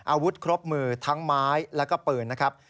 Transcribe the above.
อาวุธครบมือทั้งไม้แล้วก็ปืนนะครับ